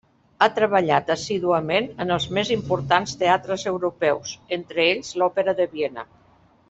Ha treballat assíduament en els més importants teatres europeus, entre ells l'òpera de Viena.